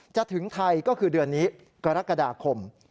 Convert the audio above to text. ถึงไทยก็คือเดือนนี้กรกฎาคม